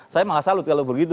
saya malah salut kalau begitu